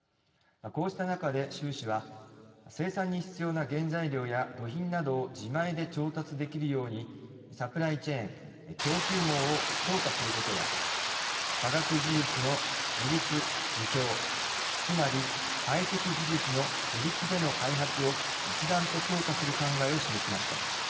こうした中で習氏は生産に必要な原材料や部品などを自前で調達できるようにサプライチェーン＝供給網を強化することや科学技術の自立・自強つまりハイテク技術の自力での開発を一段と強化する考えを示しました。